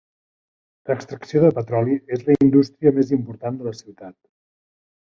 L'extracció de petroli és la indústria més important de la ciutat.